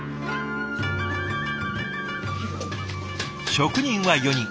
職人は４人。